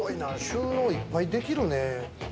収納いっぱいできるね。